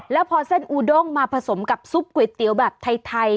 แล้วพอเส้นอูด้งมาผสมกับซุปก๋วยเตี๋ยวแบบไทย